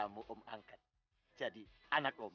kamu om angkat jadi anak om